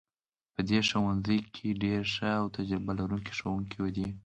په دې ښوونځي کې ډیر ښه او تجربه لرونکي ښوونکي دي